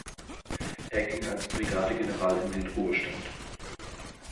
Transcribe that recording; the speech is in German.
Er ging als Brigadegeneral in den Ruhestand.